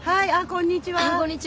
こんにちは。